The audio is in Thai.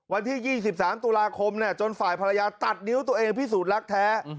วันที่๒๓ตุลาคมจนฝ่ายภรรยาตัดนิ้วตัวเองพิสูจน์รักแท้